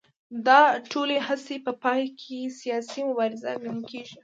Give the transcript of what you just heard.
دا ټولې هڅې په پای کې سیاسي مبارزه ګڼل کېږي